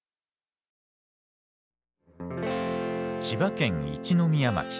千葉県一宮町。